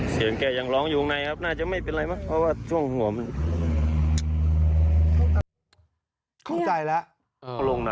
เสียงแกยังร้องอยู่ข้างในครับน่าจะไม่เป็นไรว่าช่วงหัวมัน